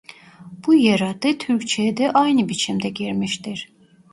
Bu yer adı Türkçeye de aynı biçimde girmiştir.